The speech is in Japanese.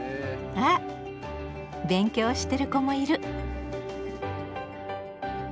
あ勉強してる子もいる！